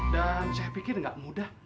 dan saya pikir gak mudah